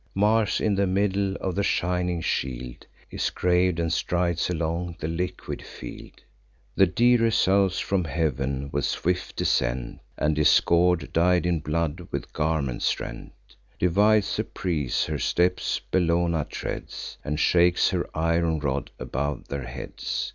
Mars in the middle of the shining shield Is grav'd, and strides along the liquid field. The Dirae souse from heav'n with swift descent; And Discord, dyed in blood, with garments rent, Divides the prease: her steps Bellona treads, And shakes her iron rod above their heads.